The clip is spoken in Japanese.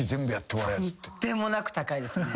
とんでもなく高いですね。